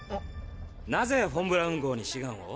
なぜフォン・ブラウン号に志願を？